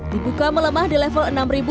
dibuka melemah di level enam sembilan ratus sebelas